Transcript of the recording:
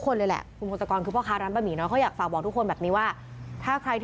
ก็อยากขอบคุณสำหรับเจ้าของร้านและกับตัวเขาเอง